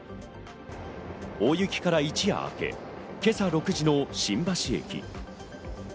大雪から一夜明け、今朝６時の新橋駅。